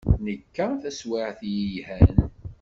Nekka taswiɛt yelhan.